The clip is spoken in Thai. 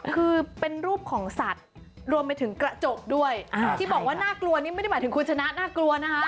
คือเป็นรูปของสัตว์รวมไปถึงกระจกด้วยที่บอกว่าน่ากลัวนี่ไม่ได้หมายถึงคุณชนะน่ากลัวนะคะ